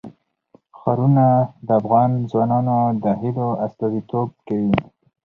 ښارونه د افغان ځوانانو د هیلو استازیتوب کوي.